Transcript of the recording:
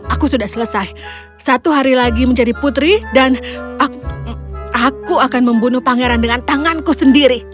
aku sudah selesai satu hari lagi menjadi putri dan aku akan membunuh pangeran dengan tanganku sendiri